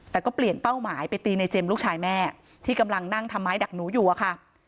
แต่ก็เปลี่ยนเป้าหมายไปตีในเจมส์ลูกชายแม่ที่กำลังนั่งทำไมดักหนูอยู่อะค่ะ